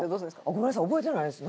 「ごめんなさい覚えてないです。